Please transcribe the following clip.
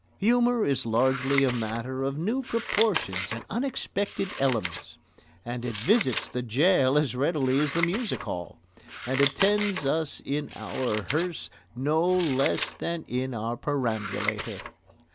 Humour is largely a matter of new proportions and unexpected elements. And it visits the gaol as readily as the music hall, and attends us in our hearse no less than in our perambulator.